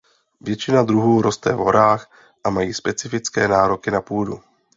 Většina druhů roste v horách a mají specifické nároky na půdu.